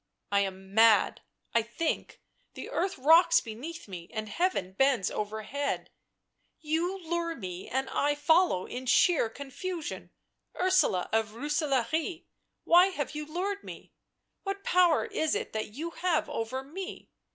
" I am mad, I think — the earth rocks beneath me and heaven bends overhead — you lure me and I follow in sheer confusion — Ursula of B ooselaare, why have you lured me ? What power is it that you have over me